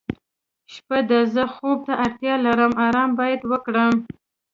شپه ده زه خوب ته اړتیا لرم آرام باید وکړم.